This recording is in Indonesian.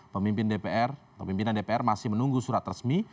pemimpin dpr pemimpinan dpr masih menunggu surat resmi